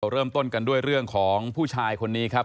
เริ่มต้นกันด้วยเรื่องของผู้ชายคนนี้ครับ